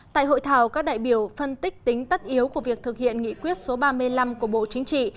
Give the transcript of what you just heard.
tại hội thảo các đại biểu phân tích tính tất yếu của việc thực hiện nghị quyết số ba mươi năm của bộ chính trị